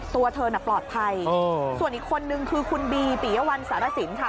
ตัวเธอน่ะปลอดภัยส่วนอีกคนนึงคือคุณบีปียวัลสารสินค่ะ